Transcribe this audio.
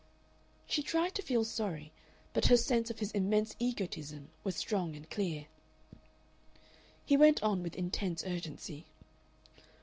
She tried to feel sorry, but her sense of his immense egotism was strong and clear. He went on with intense urgency.